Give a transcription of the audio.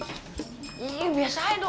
iya biasanya dong